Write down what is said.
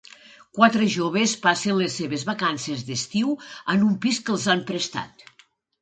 Quatre joves passen les seves vacances d'estiu en un pis que els han prestat.